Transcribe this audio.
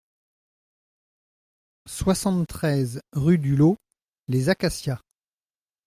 soixante-treize rue du Lot Les Acacias